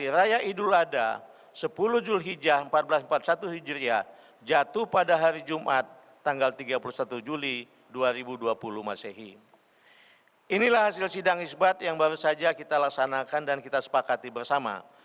inilah hasil sidang isbat yang baru saja kita laksanakan dan kita sepakati bersama